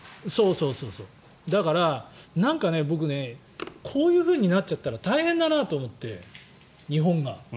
だから、僕ねこういうふうになっちゃったら大変だなと思って日本が。